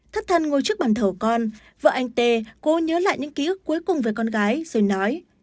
thất thân ngồi trước bàn thầu con vợ anh tê cố nhớ lại những ký ức cuối cùng về con gái rồi nói